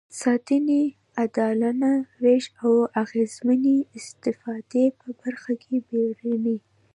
ساتنې، عادلانه وېش او اغېزمنې استفادې په برخه کې بیړني.